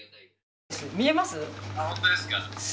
見えます？